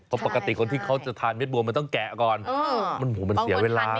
พอปกติเป็นคนที่ทานที่จะมันมีเม็ดบัวต้องแกะก่อนแล้วอโหมันเสียเวลา